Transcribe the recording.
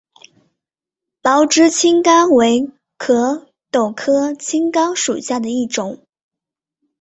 毛枝青冈为壳斗科青冈属下的一个种。